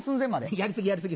やり過ぎやり過ぎ。